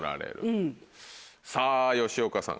さぁ吉岡さん。